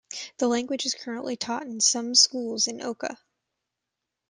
The language is currently taught in some schools in Oka.